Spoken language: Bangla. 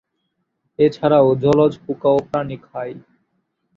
এছাড়াও জলজ পোকা ও প্রাণী খায়।